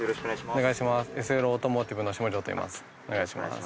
お願いします。